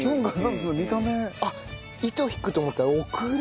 あっ糸引くと思ったらオクラ。